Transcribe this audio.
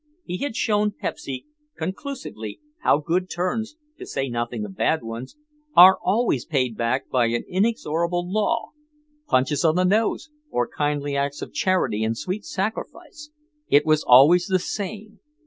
He had shown Pepsy, conclusively, how good turns (to say nothing of bad ones) are always paid back by an inexorable law. Punches on the nose, or kindly acts of charity and sweet sacrifice, it was always the same....